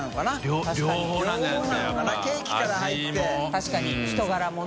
確かに人柄もね。